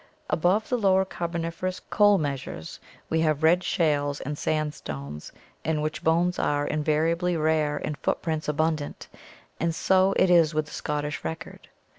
Above the Lower Carboniferous Coal 493 ORGANIC EVOLUTION Measures we have red shales and sandstones in which bones are invariably rare and footprints abundant, and so it is with the Scottish record.